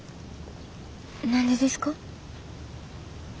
何でですか？